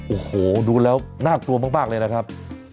โอ้โหดูแล้วน่ากลัวมากเลยนะครับ